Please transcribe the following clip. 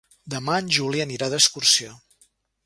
Demà en Juli anirà d'excursió.